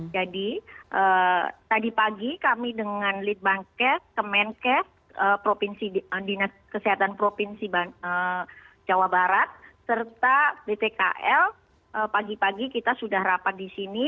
tadi pagi kami dengan litbangkes kemenkes dinas kesehatan provinsi jawa barat serta btkl pagi pagi kita sudah rapat di sini